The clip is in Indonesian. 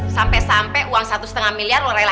sampai sampai uang satu setengah miliar lu reksapin dia